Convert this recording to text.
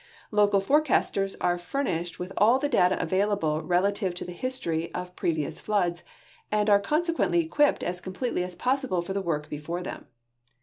Local forecasters are furnished with all the data available relative to the histoiy of previous floods, and are consequently equi[)ped as completely as possible for the work before them.